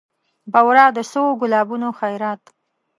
بورا د سویو ګلابونو خیرات